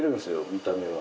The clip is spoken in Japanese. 見た目は。